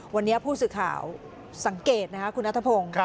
วันเนี่ยผู้ศึกข่าวสังเกตนะคะคุณณธพพงษ์